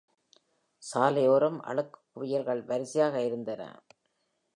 சாலையோரம் அழுக்கு குவியல்கள் வரிசையாக இருந்தன.